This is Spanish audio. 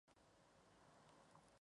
Existen muchos estilos de diseño floral.